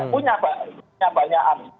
punya banyak angin